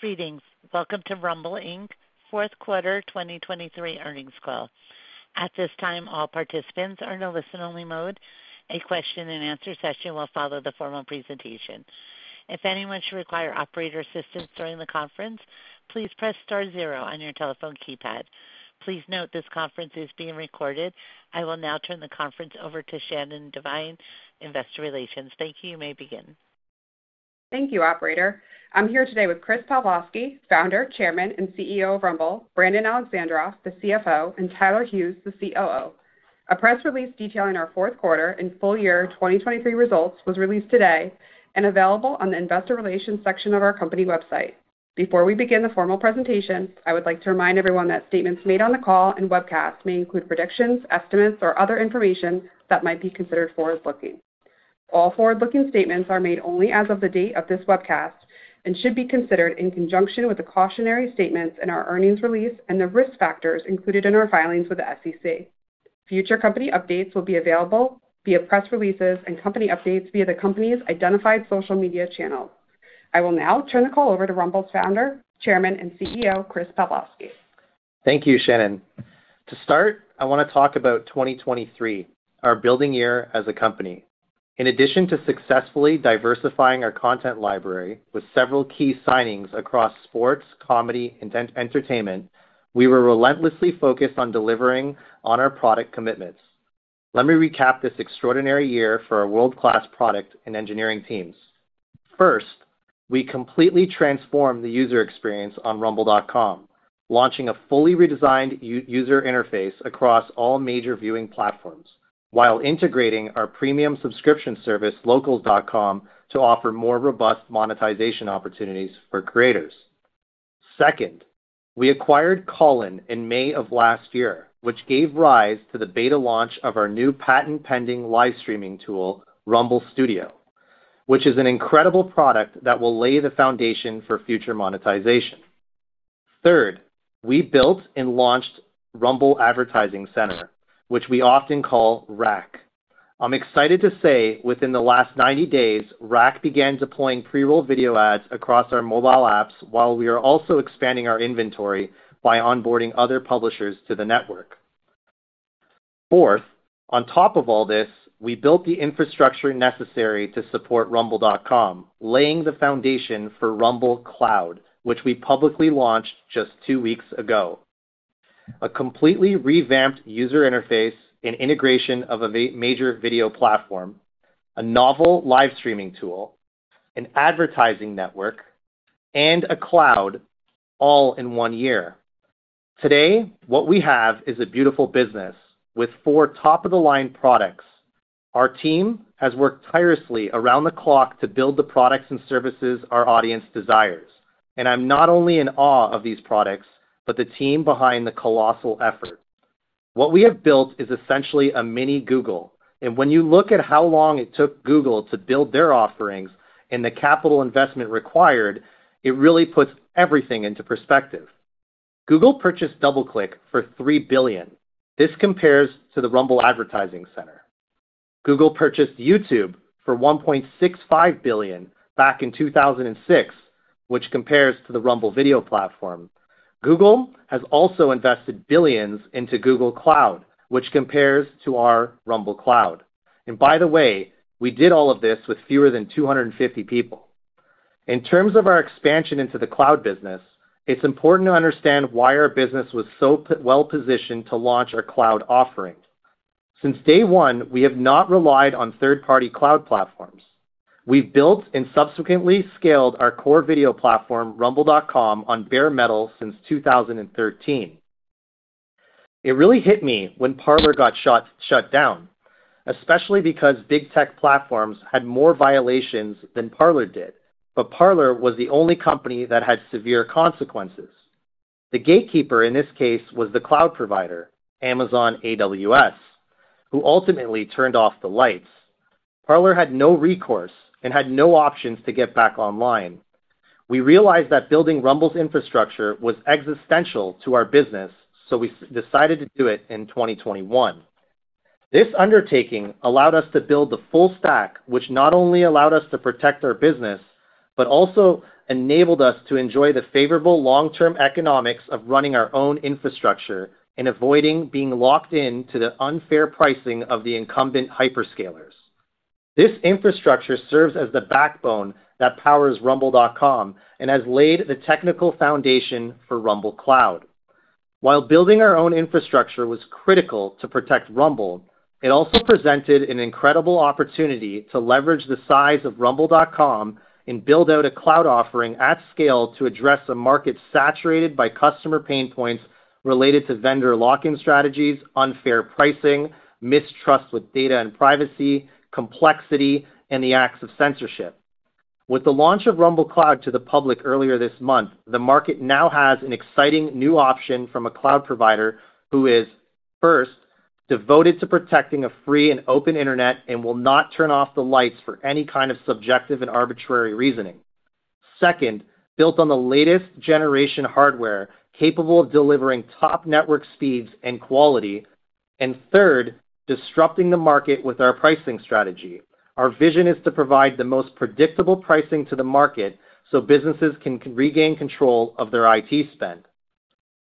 Greetings. Welcome to Rumble Inc.'s fourth quarter 2023 earnings call. At this time, all participants are in a listen-only mode. A question-and-answer session will follow the formal presentation. If anyone should require operator assistance during the conference, please press star zero on your telephone keypad. Please note this conference is being recorded. I will now turn the conference over to Shannon Devine, Investor Relations. Thank you. You may begin. Thank you, operator. I'm here today with Chris Pavlovski, Founder, Chairman, and CEO of Rumble; Brandon Alexandroff, the CFO; and Tyler Hughes, the COO. A press release detailing our fourth quarter and full year 2023 results was released today and available on the investor relations section of our company website. Before we begin the formal presentation, I would like to remind everyone that statements made on the call and webcast may include predictions, estimates, or other information that might be considered forward-looking. All forward-looking statements are made only as of the date of this webcast and should be considered in conjunction with the cautionary statements in our earnings release and the risk factors included in our filings with the SEC. Future company updates will be available via press releases and company updates via the company's identified social media channels. I will now turn the call over to Rumble's Founder, Chairman, and CEO, Chris Pavlovski. Thank you, Shannon. To start, I want to talk about 2023, our building year as a company. In addition to successfully diversifying our content library with several key signings across sports, comedy, and entertainment, we were relentlessly focused on delivering on our product commitments. Let me recap this extraordinary year for our world-class product and engineering teams. First, we completely transformed the user experience on Rumble.com, launching a fully redesigned user interface across all major viewing platforms, while integrating our premium subscription service, Locals.com, to offer more robust monetization opportunities for creators. Second, we acquired Callin in May of last year, which gave rise to the beta launch of our new patent-pending live streaming tool, Rumble Studio, which is an incredible product that will lay the foundation for future monetization. Third, we built and launched Rumble Advertising Center, which we often call RAC. I'm excited to say within the last 90 days, RAC began deploying pre-roll video ads across our mobile apps, while we are also expanding our inventory by onboarding other publishers to the network. Fourth, on top of all this, we built the infrastructure necessary to support Rumble.com, laying the foundation for Rumble Cloud, which we publicly launched just two weeks ago. A completely revamped user interface and integration of a major video platform, a novel live streaming tool, an advertising network, and a cloud all in one year. Today, what we have is a beautiful business with four top-of-the-line products. Our team has worked tirelessly around the clock to build the products and services our audience desires, and I'm not only in awe of these products, but the team behind the colossal effort. What we have built is essentially a mini Google, and when you look at how long it took Google to build their offerings and the capital investment required, it really puts everything into perspective. Google purchased DoubleClick for $3 billion. This compares to the Rumble Advertising Center. Google purchased YouTube for $1.65 billion back in 2006, which compares to the Rumble video platform. Google has also invested billions into Google Cloud, which compares to our Rumble Cloud. And by the way, we did all of this with fewer than 250 people. In terms of our expansion into the cloud business, it's important to understand why our business was so well positioned to launch our cloud offering. Since day one, we have not relied on third-party cloud platforms. We've built and subsequently scaled our core video platform, Rumble.com, on bare metal since 2013. It really hit me when Parler got shut down, especially because big tech platforms had more violations than Parler did, but Parler was the only company that had severe consequences. The gatekeeper in this case was the cloud provider, Amazon AWS, who ultimately turned off the lights. Parler had no recourse and had no options to get back online. We realized that building Rumble's infrastructure was existential to our business, so we decided to do it in 2021. This undertaking allowed us to build the full stack, which not only allowed us to protect our business, but also enabled us to enjoy the favorable long-term economics of running our own infrastructure and avoiding being locked in to the unfair pricing of the incumbent hyperscalers. This infrastructure serves as the backbone that powers Rumble.com and has laid the technical foundation for Rumble Cloud. While building our own infrastructure was critical to protect Rumble, it also presented an incredible opportunity to leverage the size of Rumble.com and build out a cloud offering at scale to address a market saturated by customer pain points related to vendor locking strategies, unfair pricing, mistrust with data and privacy, complexity, and the acts of censorship. With the launch of Rumble Cloud to the public earlier this month, the market now has an exciting new option from a cloud provider who is, first, devoted to protecting a free and open internet and will not turn off the lights for any kind of subjective and arbitrary reasoning. Second, built on the latest generation hardware, capable of delivering top network speeds and quality.... And third, disrupting the market with our pricing strategy. Our vision is to provide the most predictable pricing to the market so businesses can regain control of their IT spend.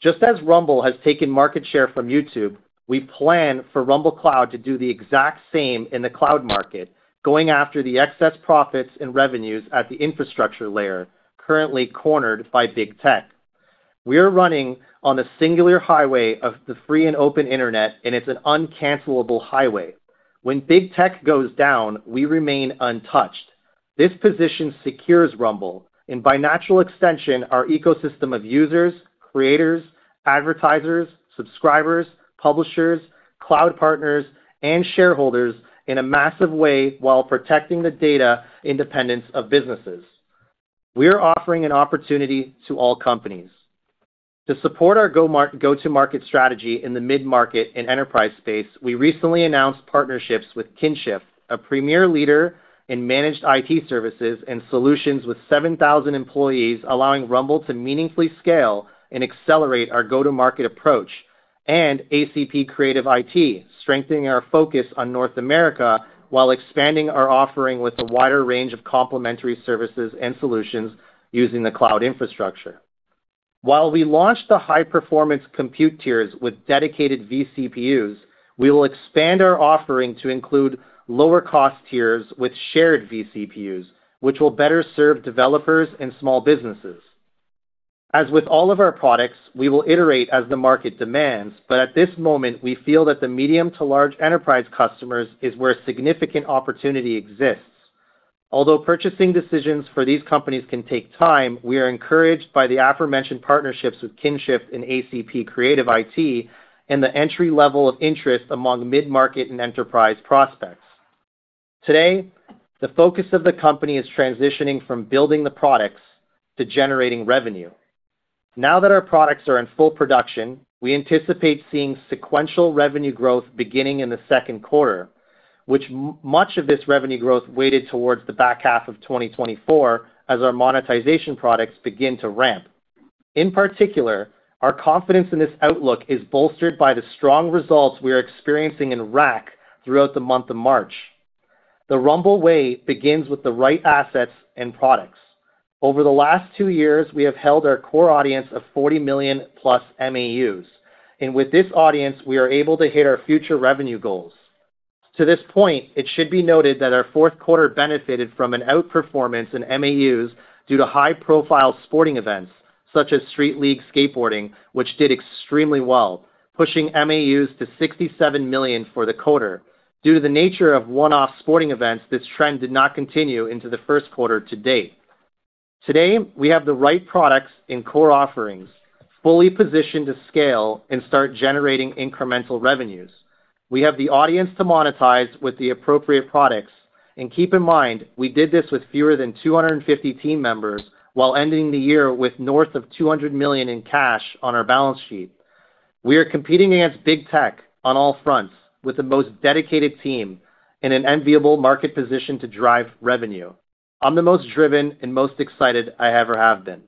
Just as Rumble has taken market share from YouTube, we plan for Rumble Cloud to do the exact same in the cloud market, going after the excess profits and revenues at the infrastructure layer, currently cornered by big tech. We are running on a singular highway of the free and open internet, and it's an uncancellable highway. When big tech goes down, we remain untouched. This position secures Rumble, and by natural extension, our ecosystem of users, creators, advertisers, subscribers, publishers, cloud partners, and shareholders in a massive way while protecting the data independence of businesses. We are offering an opportunity to all companies. To support our go-to-market strategy in the mid-market and enterprise space, we recently announced partnerships with Qinshift, a premier leader in managed IT services and solutions with 7,000 employees, allowing Rumble to meaningfully scale and accelerate our go-to-market approach, and ACP CreativIT, strengthening our focus on North America while expanding our offering with a wider range of complementary services and solutions using the cloud infrastructure. While we launched the high-performance compute tiers with dedicated vCPUs, we will expand our offering to include lower-cost tiers with shared vCPUs, which will better serve developers and small businesses. As with all of our products, we will iterate as the market demands, but at this moment, we feel that the medium to large enterprise customers is where significant opportunity exists. Although purchasing decisions for these companies can take time, we are encouraged by the aforementioned partnerships with Qinshift and ACP CreativIT, and the entry-level of interest among mid-market and enterprise prospects. Today, the focus of the company is transitioning from building the products to generating revenue. Now that our products are in full production, we anticipate seeing sequential revenue growth beginning in the second quarter, which much of this revenue growth weighted towards the back half of 2024 as our monetization products begin to ramp. In particular, our confidence in this outlook is bolstered by the strong results we are experiencing in RAC throughout the month of March. The Rumble Way begins with the right assets and products. Over the last two years, we have held our core audience of 40 million-plus MAUs, and with this audience, we are able to hit our future revenue goals. To this point, it should be noted that our fourth quarter benefited from an outperformance in MAUs due to high-profile sporting events, such as Street League Skateboarding, which did extremely well, pushing MAUs to 67 million for the quarter. Due to the nature of one-off sporting events, this trend did not continue into the first quarter to date. Today, we have the right products and core offerings, fully positioned to scale and start generating incremental revenues. We have the audience to monetize with the appropriate products. And keep in mind, we did this with fewer than 250 team members, while ending the year with north of $200 million in cash on our balance sheet. We are competing against big tech on all fronts with the most dedicated team and an enviable market position to drive revenue. I'm the most driven and most excited I ever have been.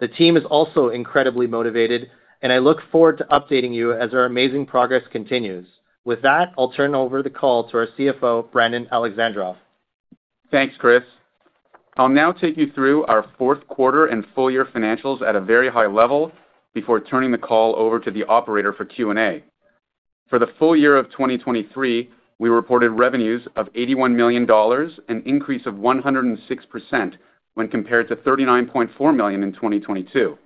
The team is also incredibly motivated, and I look forward to updating you as our amazing progress continues. With that, I'll turn over the call to our CFO, Brandon Alexandroff. Thanks, Chris. I'll now take you through our fourth quarter and full year financials at a very high level before turning the call over to the operator for Q&A. For the full year of 2023, we reported revenues of $81 million, an increase of 106% when compared to $39.4 million in 2022.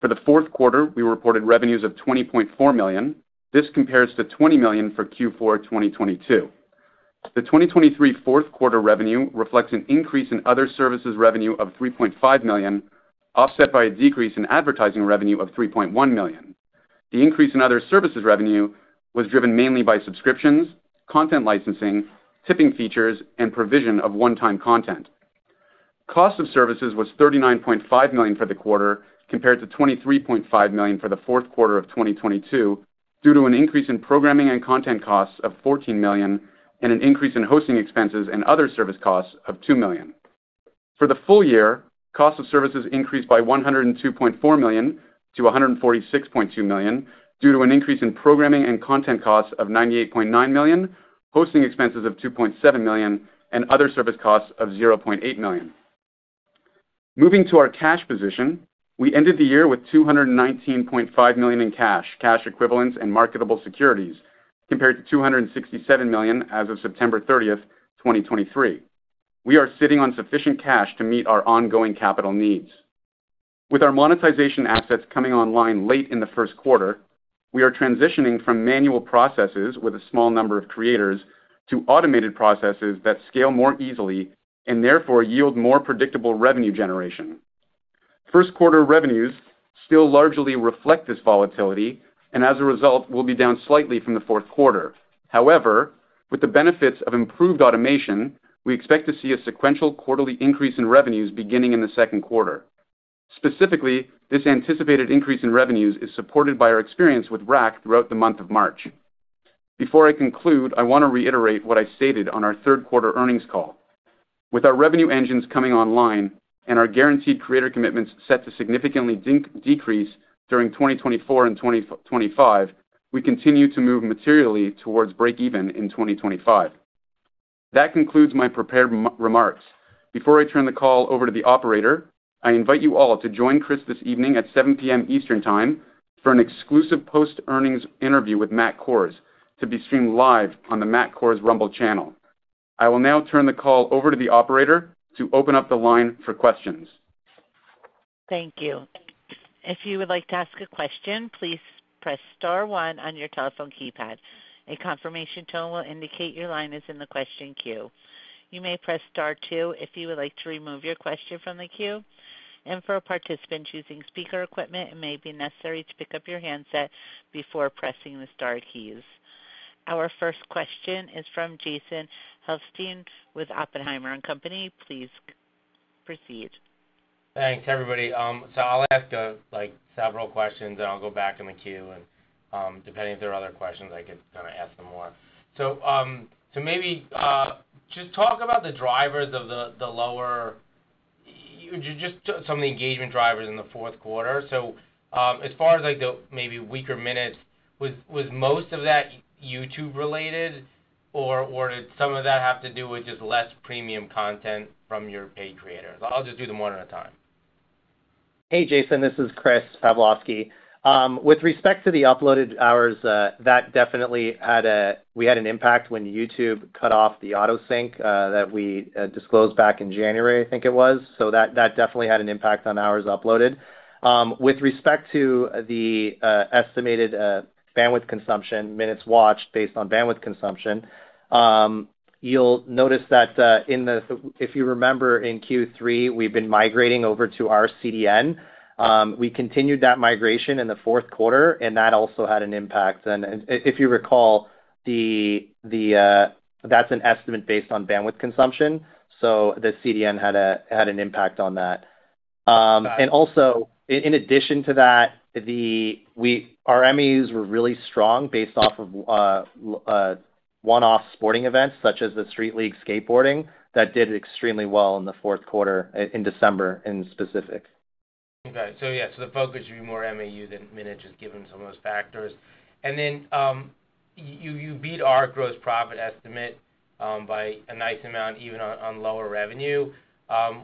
For the fourth quarter, we reported revenues of $20.4 million. This compares to $20 million for Q4 2022. The 2023 fourth quarter revenue reflects an increase in other services revenue of $3.5 million, offset by a decrease in advertising revenue of $3.1 million. The increase in other services revenue was driven mainly by subscriptions, content licensing, tipping features, and provision of one-time content. Cost of services was $39.5 million for the quarter, compared to $23.5 million for the fourth quarter of 2022, due to an increase in programming and content costs of $14 million and an increase in hosting expenses and other service costs of $2 million. For the full year, cost of services increased by $102.4 million to $146.2 million due to an increase in programming and content costs of $98.9 million, hosting expenses of $2.7 million, and other service costs of $0.8 million. Moving to our cash position, we ended the year with $219.5 million in cash, cash equivalents, and marketable securities, compared to $267 million as of September 30, 2023. We are sitting on sufficient cash to meet our ongoing capital needs. With our monetization assets coming online late in the first quarter, we are transitioning from manual processes with a small number of creators to automated processes that scale more easily and therefore yield more predictable revenue generation. First quarter revenues still largely reflect this volatility, and as a result, will be down slightly from the fourth quarter. However, with the benefits of improved automation, we expect to see a sequential quarterly increase in revenues beginning in the second quarter. Specifically, this anticipated increase in revenues is supported by our experience with RAC throughout the month of March. Before I conclude, I want to reiterate what I stated on our third quarter earnings call.... With our revenue engines coming online and our guaranteed creator commitments set to significantly decrease during 2024 and 2025, we continue to move materially towards breakeven in 2025. That concludes my prepared remarks. Before I turn the call over to the operator, I invite you all to join Chris this evening at 7 P.M. Eastern Time for an exclusive post-earnings interview with Matt Kohrs, to be streamed live on the Matt Kohrs Rumble channel. I will now turn the call over to the operator to open up the line for questions. Thank you. If you would like to ask a question, please press star one on your telephone keypad. A confirmation tone will indicate your line is in the question queue. You may press star two if you would like to remove your question from the queue. For a participant choosing speaker equipment, it may be necessary to pick up your handset before pressing the star keys. Our first question is from Jason Helfstein with Oppenheimer & Company. Please proceed. Thanks, everybody. So I'll ask, like, several questions, and I'll go back in the queue, and, depending if there are other questions, I can kinda ask some more. So, so maybe, just talk about the drivers of the lower. Just some of the engagement drivers in the fourth quarter. So, as far as, like, the maybe weaker minutes, was most of that YouTube-related, or did some of that have to do with just less premium content from your paid creators? I'll just do them one at a time. Hey, Jason, this is Chris Pavlovski. With respect to the uploaded hours, that definitely had an impact when YouTube cut off the auto sync, that we disclosed back in January, I think it was. So that definitely had an impact on hours uploaded. With respect to the estimated bandwidth consumption, minutes watched, based on bandwidth consumption, you'll notice that, if you remember, in Q3, we've been migrating over to our CDN. We continued that migration in the fourth quarter, and that also had an impact. And if you recall, that's an estimate based on bandwidth consumption, so the CDN had an impact on that. And also, in addition to that, our MAUs were really strong based off of one-off sporting events, such as the Street League Skateboarding, that did extremely well in the fourth quarter, in December, specifically. Okay. So yeah, so the focus should be more on MAU than minutes, just given some of those factors. And then, you beat our gross profit estimate by a nice amount, even on lower revenue,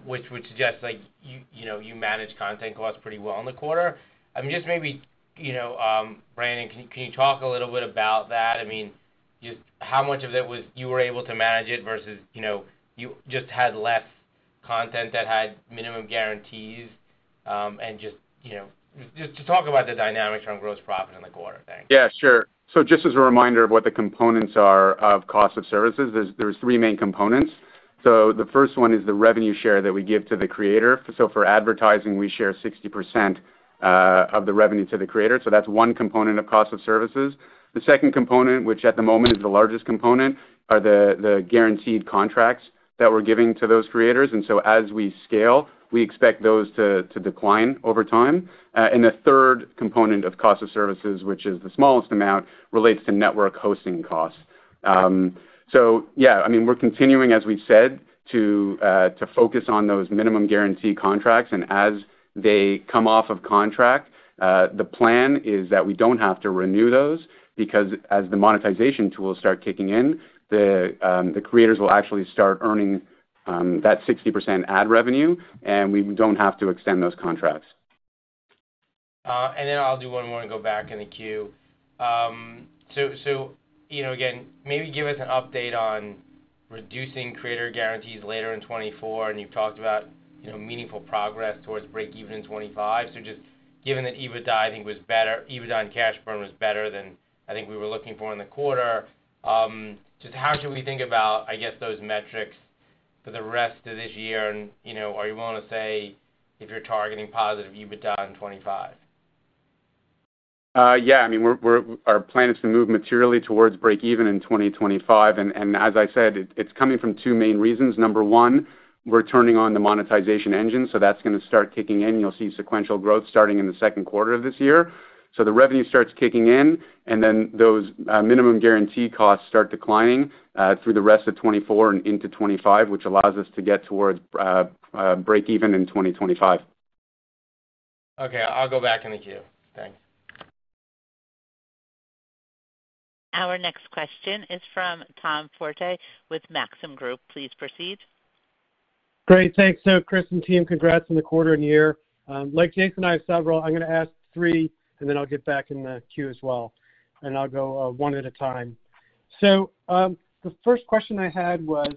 which would suggest, like, you know, you managed content costs pretty well in the quarter. I mean, just maybe, you know, Brandon, can you talk a little bit about that? I mean, just how much of it was you were able to manage it versus, you know, you just had less content that had minimum guarantees, and just, you know... Just talk about the dynamics on gross profit in the quarter. Thanks. Yeah, sure. So just as a reminder of what the components are of cost of services, there's three main components. So the first one is the revenue share that we give to the creator. So for advertising, we share 60% of the revenue to the creator. So that's one component of cost of services. The second component, which at the moment is the largest component, are the guaranteed contracts that we're giving to those creators. And so as we scale, we expect those to decline over time. And the third component of cost of services, which is the smallest amount, relates to network hosting costs. So yeah, I mean, we're continuing, as we've said, to focus on those minimum guarantee contracts, and as they come off of contract, the plan is that we don't have to renew those, because as the monetization tools start kicking in, the creators will actually start earning that 60% ad revenue, and we don't have to extend those contracts. And then I'll do one more and go back in the queue. So, so, you know, again, maybe give us an update on reducing creator guarantees later in 2024, and you've talked about, you know, meaningful progress towards breakeven in 2025. So just given that EBITDA, I think, was better, EBITDA and cash burn was better than I think we were looking for in the quarter, just how should we think about, I guess, those metrics for the rest of this year? And, you know, are you willing to say if you're targeting positive EBITDA in 2025? Yeah, I mean, we're our plan is to move materially towards breakeven in 2025. And as I said, it's coming from two main reasons. Number one, we're turning on the monetization engine, so that's gonna start kicking in. You'll see sequential growth starting in the second quarter of this year. So the revenue starts kicking in, and then those minimum guarantee costs start declining through the rest of 2024 and into 2025, which allows us to get towards breakeven in 2025. Okay, I'll go back in the queue. Thanks. Our next question is from Tom Forte with Maxim Group. Please proceed. Great. Thanks. So, Chris and team, congrats on the quarter and year. Like Jason, I have several. I'm gonna ask three, and then I'll get back in the queue as well, and I'll go one at a time. So, the first question I had was: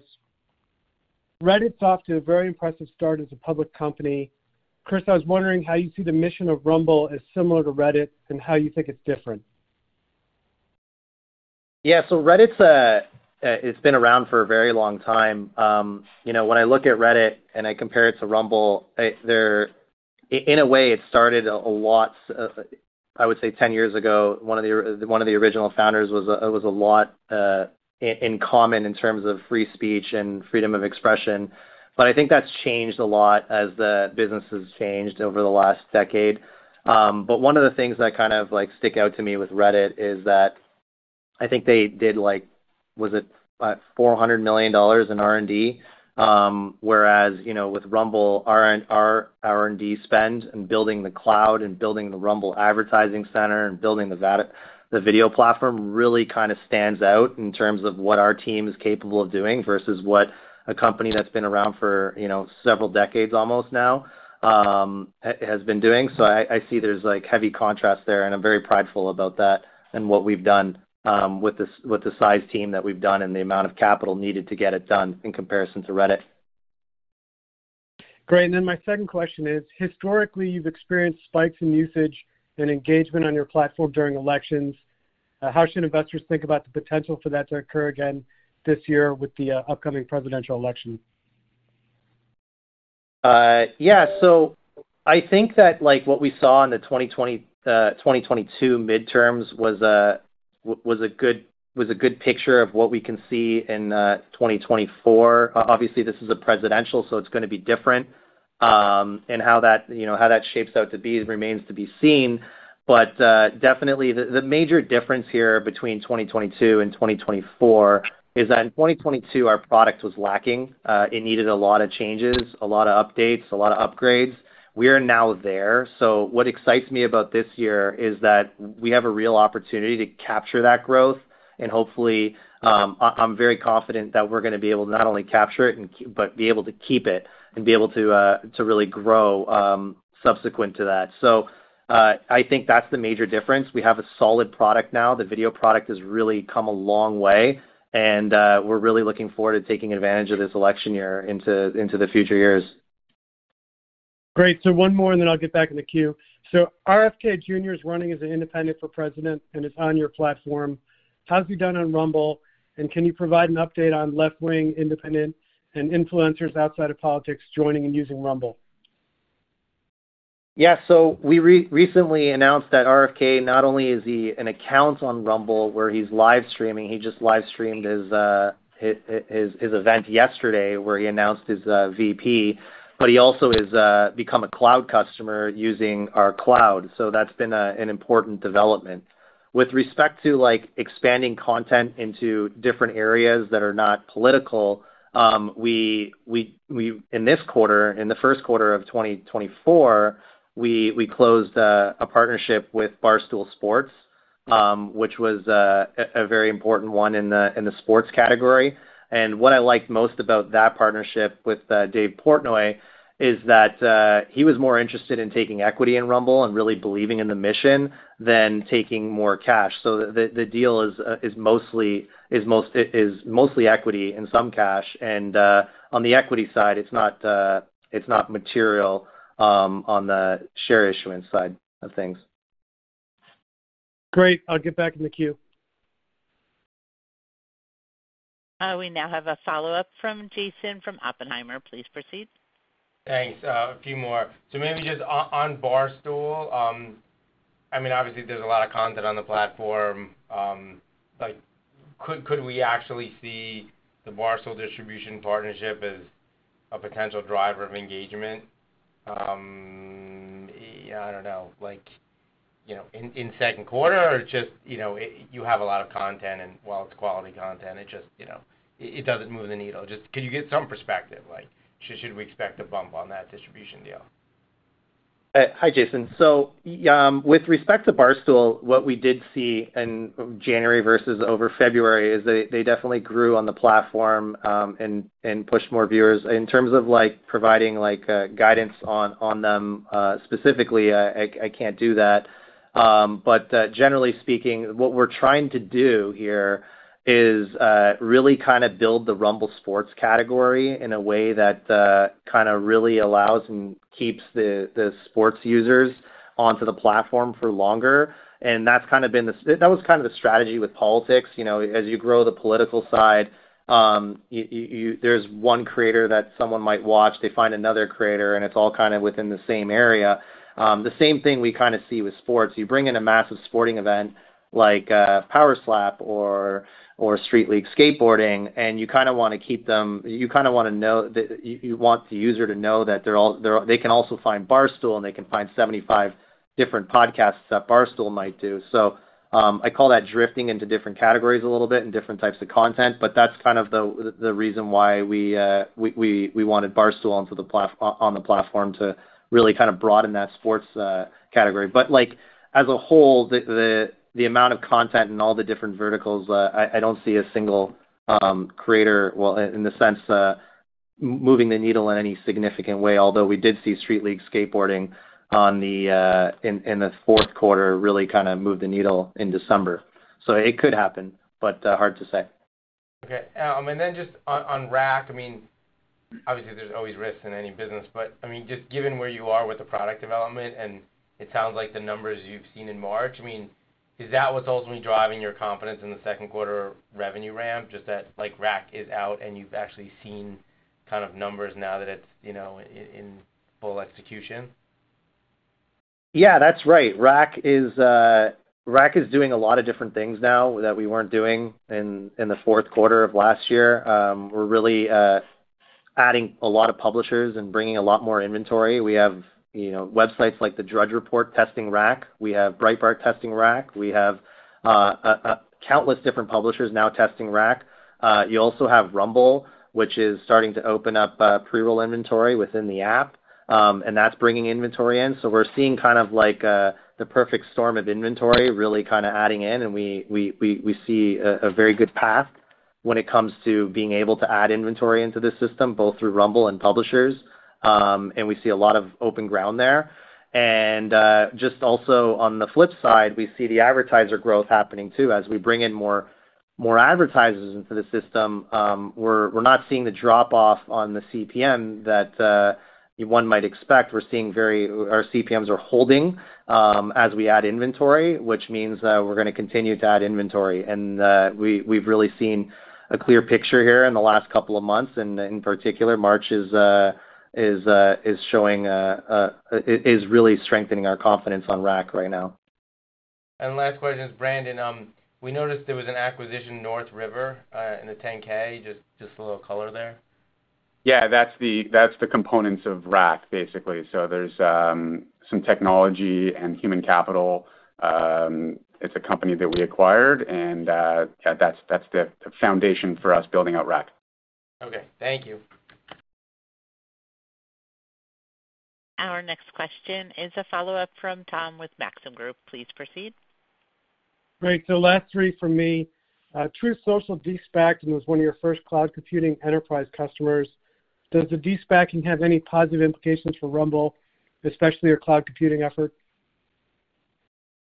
Reddit's off to a very impressive start as a public company. Chris, I was wondering how you see the mission of Rumble as similar to Reddit and how you think it's different. Yeah, so Reddit's, it's been around for a very long time. You know, when I look at Reddit and I compare it to Rumble, they're in a way, it started a lot, I would say 10 years ago. One of the original founders was, it was a lot in common in terms of free speech and freedom of expression, but I think that's changed a lot as the business has changed over the last decade. But one of the things that kind of, like, stick out to me with Reddit is that I think they did like, was it, $400 million in R&D? Whereas, you know, with Rumble, R&D spend and building the cloud and building the Rumble Advertising Center and building the video platform, really kind of stands out in terms of what our team is capable of doing versus what a company that's been around for, you know, several decades almost now, has been doing. So I, I see there's, like, heavy contrast there, and I'm very prideful about that and what we've done, with the size team that we've done and the amount of capital needed to get it done in comparison to Reddit. Great. And then my second question is, historically, you've experienced spikes in usage and engagement on your platform during elections. How should investors think about the potential for that to occur again this year with the upcoming presidential election? Yeah. So I think that, like, what we saw in the 2022 midterms was a good picture of what we can see in 2024. Obviously, this is a presidential, so it's gonna be different. And how that, you know, how that shapes out to be remains to be seen. But definitely, the major difference here between 2022 and 2024 is that in 2022, our product was lacking. It needed a lot of changes, a lot of updates, a lot of upgrades. We are now there. So what excites me about this year is that we have a real opportunity to capture that growth, and hopefully, I'm very confident that we're gonna be able to not only capture it, but be able to keep it and be able to to really grow, subsequent to that. So, I think that's the major difference. We have a solid product now. The video product has really come a long way, and, we're really looking forward to taking advantage of this election year into the future years. Great. So one more, and then I'll get back in the queue. So RFK Jr. is running as an independent for president and is on your platform. How's he done on Rumble, and can you provide an update on left-wing, independent, and influencers outside of politics joining and using Rumble? Yeah, so we recently announced that RFK, not only is he an account on Rumble, where he's live streaming, he just live streamed his his event yesterday, where he announced his VP, but he also has become a cloud customer using our cloud. So that's been an important development. With respect to, like, expanding content into different areas that are not political, in this quarter, in the first quarter of 2024, we closed a partnership with Barstool Sports, which was a very important one in the sports category. And what I liked most about that partnership with Dave Portnoy is that he was more interested in taking equity in Rumble and really believing in the mission than taking more cash. The deal is mostly equity and some cash, and on the equity side, it's not material, on the share issuance side of things. Great. I'll get back in the queue. We now have a follow-up from Jason from Oppenheimer. Please proceed. Thanks. A few more. So maybe just on Barstool, I mean, obviously there's a lot of content on the platform. Like, could we actually see the Barstool distribution partnership as a potential driver of engagement? Yeah, I don't know, like, you know, in second quarter, or just, you know, you have a lot of content, and while it's quality content, it just, you know, it doesn't move the needle. Just, can you give some perspective, like, should we expect a bump on that distribution deal? Hi, Jason. So, with respect to Barstool, what we did see in January versus over February is they definitely grew on the platform and pushed more viewers. In terms of, like, providing, like, guidance on them specifically, I can't do that. But generally speaking, what we're trying to do here is really kind of build the Rumble Sports category in a way that kind of really allows and keeps the sports users onto the platform for longer. And that's kind of been the strategy with politics. You know, as you grow the political side, there's one creator that someone might watch. They find another creator, and it's all kind of within the same area. The same thing we kind of see with sports. You bring in a massive sporting event like Power Slap or Street League Skateboarding, and you kind of want to keep them. You kind of want the user to know that they can also find Barstool, and they can find 75 different podcasts that Barstool might do. So, I call that drifting into different categories a little bit and different types of content, but that's kind of the reason why we wanted Barstool onto the platform to really kind of broaden that sports category. But, like, as a whole, the amount of content in all the different verticals, I don't see a single creator, well, in the sense moving the needle in any significant way. Although, we did see Street League Skateboarding in the fourth quarter, really kind of move the needle in December. So it could happen, but, hard to say. Okay. And then just on RAC, I mean, obviously there's always risks in any business, but, I mean, just given where you are with the product development, and it sounds like the numbers you've seen in March, I mean, is that what's ultimately driving your confidence in the second quarter revenue ramp? Just that, like, RAC is out, and you've actually seen kind of numbers now that it's, you know, in full execution? Yeah, that's right. RAC is doing a lot of different things now that we weren't doing in the fourth quarter of last year. We're really adding a lot of publishers and bringing a lot more inventory. We have, you know, websites like the Drudge Report testing RAC. We have Breitbart testing RAC. We have countless different publishers now testing RAC. You also have Rumble, which is starting to open up pre-roll inventory within the app, and that's bringing inventory in. So we're seeing kind of like the perfect storm of inventory really kind of adding in, and we see a very good path when it comes to being able to add inventory into the system, both through Rumble and publishers. And we see a lot of open ground there. Just also on the flip side, we see the advertiser growth happening, too. As we bring in more advertisers into the system, we're not seeing the drop-off on the CPM that one might expect. We're seeing our CPMs are holding as we add inventory, which means that we're gonna continue to add inventory. We've really seen a clear picture here in the last couple of months, and in particular, March is really strengthening our confidence on RAC right now. Last question is, Brandon, we noticed there was an acquisition, North River, in the 10-K. Just, just a little color there? Yeah, that's the, that's the components of RAC, basically. So there's some technology and human capital. It's a company that we acquired, and that's, that's the foundation for us building out RAC. Okay, thank you. Our next question is a follow-up from Tom with Maxim Group. Please proceed. Great. So last three for me. Truth Social de-SPAC, and was one of your first cloud computing enterprise customers. Does the de-SPACing have any positive implications for Rumble, especially your cloud computing effort?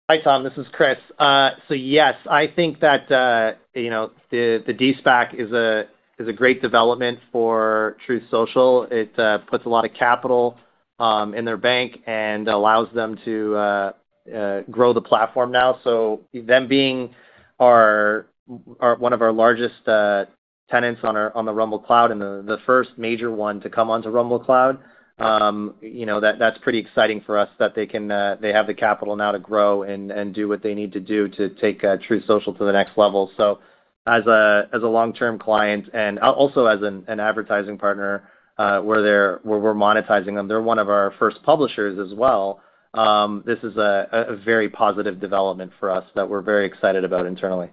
Hi, Tom, this is Chris. So yes, I think that, you know, the de-SPAC is a great development for Truth Social. It puts a lot of capital in their bank and allows them to grow the platform now. So them being one of our largest tenants on the Rumble Cloud and the first major one to come onto Rumble Cloud, you know, that's pretty exciting for us that they can, they have the capital now to grow and do what they need to do to take Truth Social to the next level. So as a long-term client and also as an advertising partner, where we're monetizing them, they're one of our first publishers as well. This is a very positive development for us that we're very excited about internally.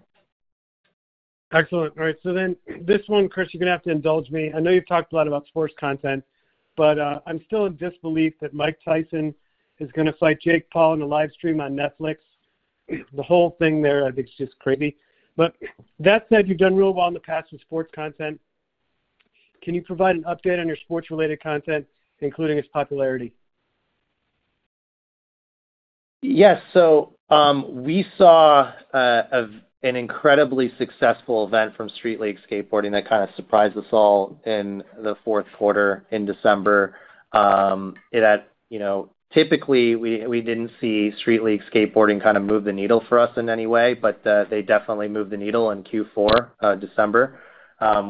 Excellent. All right, so then this one, Chris, you're gonna have to indulge me. I know you've talked a lot about sports content, but I'm still in disbelief that Mike Tyson is gonna fight Jake Paul in a live stream on Netflix. The whole thing there, I think, is just crazy. But that said, you've done real well in the past with sports content. Can you provide an update on your sports-related content, including its popularity? Yes. So, we saw an incredibly successful event from Street League Skateboarding that kind of surprised us all in the fourth quarter, in December. It had... You know, typically, we didn't see Street League Skateboarding kind of move the needle for us in any way, but they definitely moved the needle in Q4, December,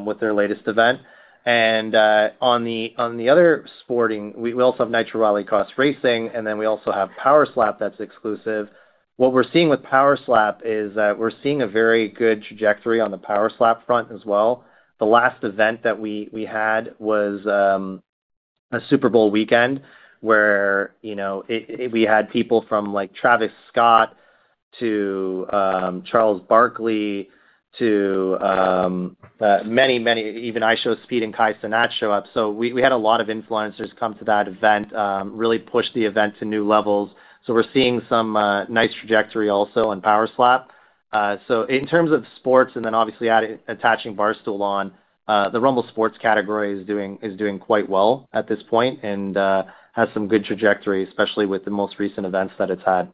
with their latest event. And, on the other sporting, we also have Nitro Rallycross racing, and then we also have Power Slap that's exclusive. What we're seeing with Power Slap is that we're seeing a very good trajectory on the Power Slap front as well. The last event that we had was a Super Bowl weekend, where, you know, it, we had people from, like, Travis Scott to Charles Barkley to many, many—even IShowSpeed and Kai Cenat show up. So we had a lot of influencers come to that event, really pushed the event to new levels. So we're seeing some nice trajectory also on Power Slap. So in terms of sports, and then obviously attaching Barstool on the Rumble Sports category is doing quite well at this point and has some good trajectory, especially with the most recent events that it's had.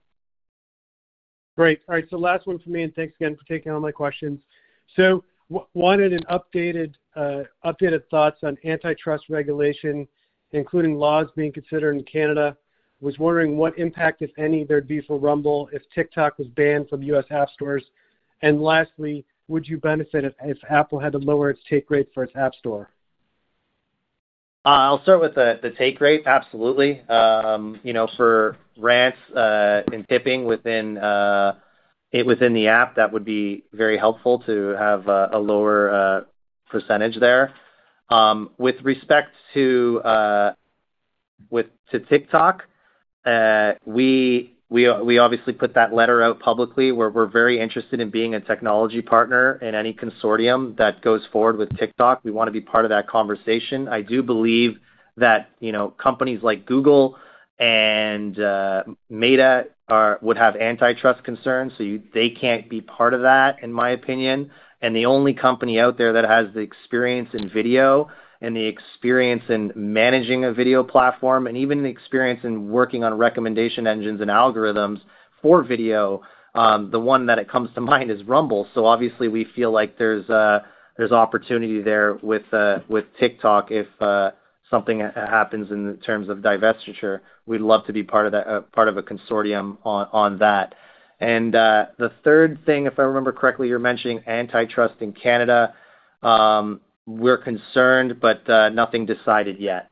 Great. All right, so last one for me, and thanks again for taking all my questions. So wanted an updated, updated thoughts on antitrust regulation, including laws being considered in Canada. Was wondering what impact, if any, there'd be for Rumble if TikTok was banned from U.S. app stores. And lastly, would you benefit if Apple had to lower its take rate for its app store? I'll start with the take rate. Absolutely. You know, for Rants and tipping within the app, that would be very helpful to have a lower percentage there. With respect to TikTok, we obviously put that letter out publicly, where we're very interested in being a technology partner in any consortium that goes forward with TikTok. We wanna be part of that conversation. I do believe that, you know, companies like Google and Meta would have antitrust concerns, so they can't be part of that, in my opinion. And the only company out there that has the experience in video and the experience in managing a video platform, and even the experience in working on recommendation engines and algorithms for video, the one that comes to mind is Rumble. So obviously, we feel like there's opportunity there with TikTok if something happens in terms of divestiture. We'd love to be part of that, part of a consortium on that. And the third thing, if I remember correctly, you're mentioning antitrust in Canada. We're concerned, but nothing decided yet.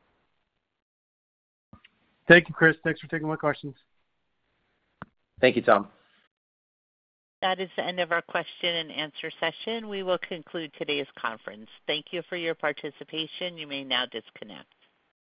Thank you, Chris. Thanks for taking my questions. Thank you, Tom. That is the end of our question-and-answer session. We will conclude today's conference. Thank you for your participation. You may now disconnect.